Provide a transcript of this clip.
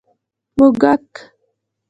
🐁 موږک